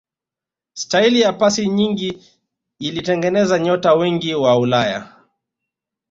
staili ya pasi nyingi ilitengeneza nyota wengi wa ulaya